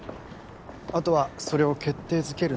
あとはそれを決定づける